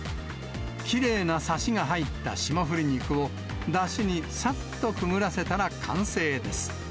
きれいなサシが入った霜降り肉を、だしにさっとくぐらせたら完成です。